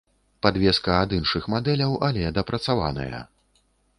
Падвеска ад іншых мадэляў, але дапрацаваная.